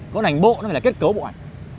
còn ảnh bộ là kết cấu bộ ảnh